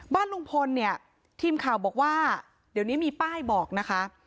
บ้านลุงพลเนี่ยทีมข่าวบอกว่าเดี๋ยวนี้มีป้ายบอกนะคะ